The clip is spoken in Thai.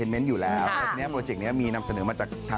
เป็นยังไงบ้างคุณค่ะ